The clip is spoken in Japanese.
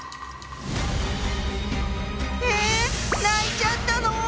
⁉泣いちゃったの？